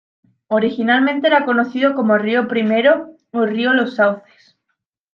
Originalmente era conocido como río Primero o río Los Sauces.